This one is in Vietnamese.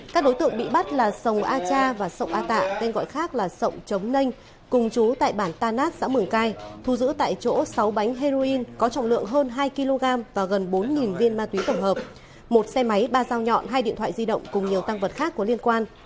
các đối tượng bị bắt là sông a cha và sông a tạ tên gọi khác là sộng trống ninh cùng chú tại bản ta nát xã mường cai thu giữ tại chỗ sáu bánh heroin có trọng lượng hơn hai kg và gần bốn viên ma túy tổng hợp một xe máy ba dao nhọn hai điện thoại di động cùng nhiều tăng vật khác có liên quan